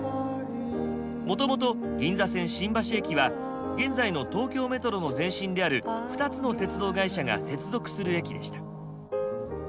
もともと銀座線新橋駅は現在の東京メトロの前身である２つの鉄道会社が接続する駅でした。